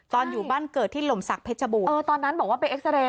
ตอนอยู่บ้านเกิดที่หลมศักดิ์เพชรบูเออตอนนั้นบอกว่าเป็นเอ็กซาเรย์